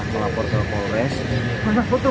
yang mengatas nama asn